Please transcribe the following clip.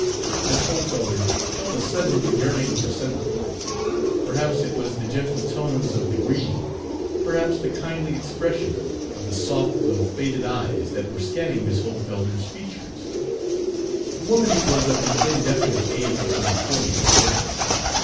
Page 41 Miss Hohlfelder felt a sudden yearning for sympathy. Perhaps it was the gentle tones of the greeting; perhaps the kindly expression of the soft though faded eyes that were scanning Miss Hohlfelder's features. The woman was of the indefinite age between forty and fifty.